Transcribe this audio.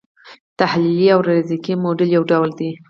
تحلیلي او ریاضیکي موډل یو ډول دی.